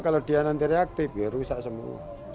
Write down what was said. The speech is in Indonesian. kalau dia nanti reaktif ya rusak semua